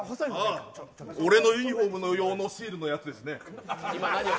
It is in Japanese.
俺のユニホーム用のシールのやつですね。